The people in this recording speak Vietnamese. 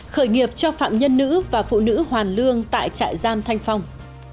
khởi nghiệp cho phạm nhân nữ và phụ nữ hoàn lương tại trại giam thanh phong